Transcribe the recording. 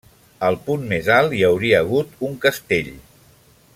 Al punt més alt hi hauria hagut un castell.